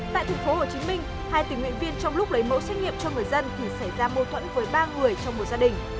tại tp hcm hai tỉnh nguyện viên trong lúc lấy mẫu xét nghiệm cho người dân thì xảy ra mô tuẫn với ba người trong một gia đình